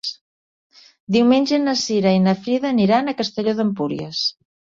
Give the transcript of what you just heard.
Diumenge na Cira i na Frida aniran a Castelló d'Empúries.